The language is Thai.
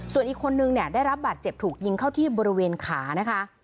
ส่วนอีกคนนึงเนี่ยได้รับบาดเจ็บถูกยิงเข้าที่บริเวณขานะคะ